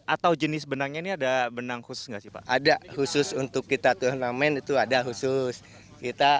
atau jenis benangnya ini ada benang khusus nggak sih pak ada khusus untuk kita turnamen itu ada khusus kita